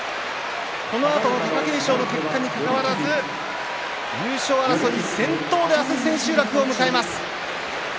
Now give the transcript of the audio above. このあと貴景勝の結果にかかわらず優勝争い先頭で明日、千秋楽を迎えます。